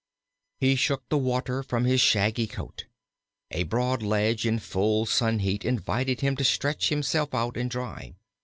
He shook the water from his shaggy coat. A broad ledge in full sun heat invited him to stretch himself out and dry.